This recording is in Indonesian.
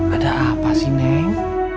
ada apa sih neng